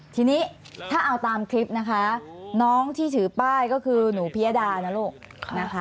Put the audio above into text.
ทีนี้ถ้าเอาตามคลิปนะคะน้องที่ถือป้ายก็คือหนูพิยดานะลูกนะคะ